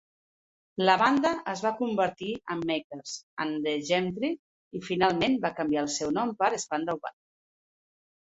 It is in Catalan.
La banda es va convertir en Makers and the Gentry i finalment va canviar el seu nom per Spandau Ballet.